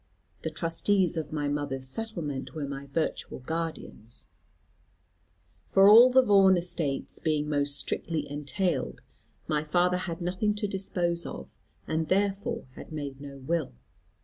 The trustees of my mother's settlement were my virtual guardians; for all the Vaughan estates being most strictly entailed, my father had nothing to dispose of, and therefore had made no will.